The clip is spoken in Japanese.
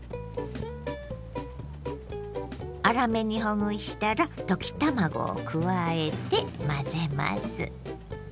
粗めにほぐしたら溶き卵を加えて混ぜます。